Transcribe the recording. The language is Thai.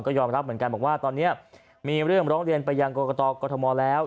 ก็ยอมรับเหมือนกันบอกว่าตอนนี้มีเรื่องร้องเรียนไปยังกรกตกรทมแล้ว